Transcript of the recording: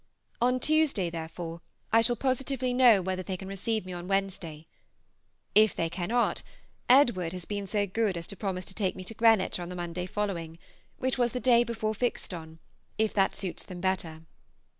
On Tuesday, therefore, I shall positively know whether they can receive me on Wednesday. If they cannot, Edward has been so good as to promise to take me to Greenwich on the Monday following, which was the day before fixed on, if that suits them better.